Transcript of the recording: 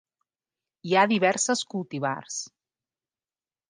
Hi ha diverses cultivars.